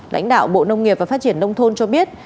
lãnh đạo bộ nông nghiệp và phát triển nông thôn cho biết